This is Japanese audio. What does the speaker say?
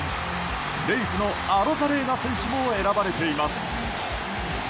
レイズのアロザレーナ選手も選ばれています。